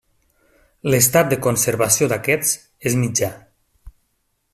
L'estat de conservació d'aquests és mitjà.